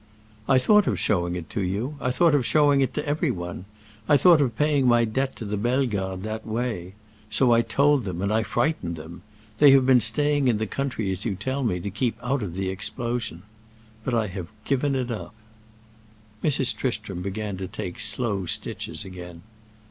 "I thought of showing it to you—I thought of showing it to everyone. I thought of paying my debt to the Bellegardes that way. So I told them, and I frightened them. They have been staying in the country as you tell me, to keep out of the explosion. But I have given it up." Mrs. Tristram began to take slow stitches again.